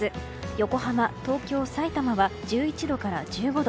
横浜、東京、さいたまは１１度から１５度。